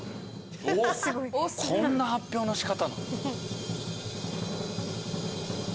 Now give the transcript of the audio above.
こんな発表の仕方。